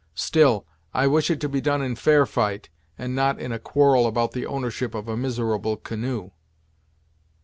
Still, I wish it to be done in fair fight, and not in a quarrel about the ownership of a miserable canoe."